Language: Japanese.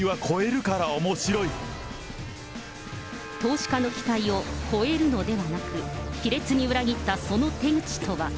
投資家の期待を超えるのではなく、卑劣に裏切ったその手口とは。